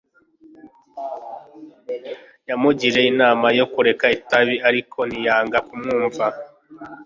Yamugiriye inama yo kureka itabi ariko ntiyanga kumwumva